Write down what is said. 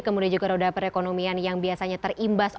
kemudian juga roda perekonomian yang biasanya terimbas oleh as